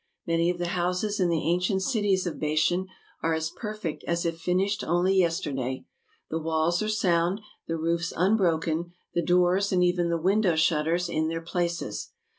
Many of the houses in the ancient cities of Bashan are as perfect as if finished only yesterday. The walls are sound, the roofs unbroken, the doors, and even the window shutters, in their places.